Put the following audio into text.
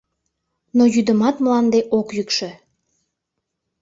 Но йӱдымат мланде ок йӱкшӧ.